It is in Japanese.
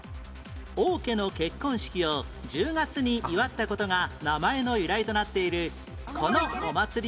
王家の結婚式を１０月に祝った事が名前の由来となっているこのお祭りの名前は？